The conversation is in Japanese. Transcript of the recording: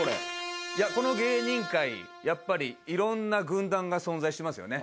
この芸人界やっぱりいろんな軍団が存在してますよね。